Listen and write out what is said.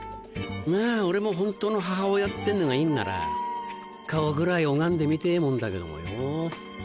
まぁ俺もホントの母親ってのがいんなら顔ぐらい拝んでみてぇもんだけどもよ。